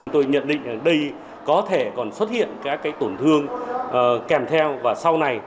tôi nhận định đây có thể còn xuất hiện các tổn thương kèm theo và sau này